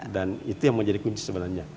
dan itu yang menjadi kunci sebenarnya